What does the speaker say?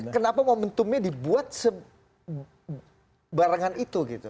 kenapa momentumnya dibuat sebarangan itu gitu